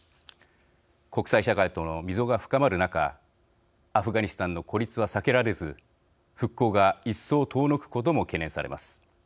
国際社会との溝が深まる中アフガニスタンの孤立は避けられず復興が一層、遠のくことも懸念されます。